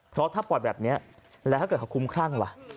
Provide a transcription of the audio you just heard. เพราะถ้าปล่อยแบบนี้แล้วถ้าเกิดเขาคุ้มครั่งล่ะ